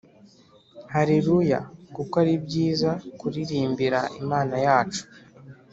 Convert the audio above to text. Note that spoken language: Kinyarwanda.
Haleluya Kuko ari byiza kuririmbira Imana yacu